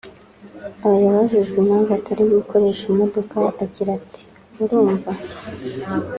aha yabajijwe impamvu atari gukoresha imodoka agira ati”Urumva